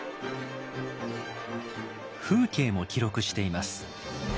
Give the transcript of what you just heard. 風景も記録しています。